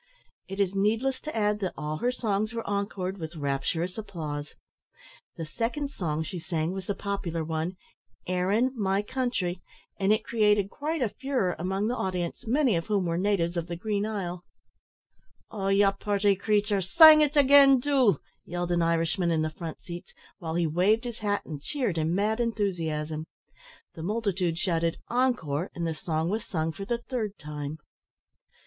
It is needless to add, that all her songs were encored with rapturous applause. The second song she sang was the popular one, "Erin, my country!" and it created quite a furore among the audience, many of whom were natives of the Green Isle. "Oh! ye purty creature! sing it again, do!" yelled an Irishman in the front seats, while he waved his hat, and cheered in mad enthusiasm. The multitude shouted, "Encore!" and the song was sung for the third time.